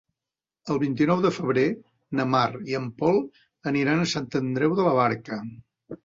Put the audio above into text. El vint-i-nou de febrer na Mar i en Pol aniran a Sant Andreu de la Barca.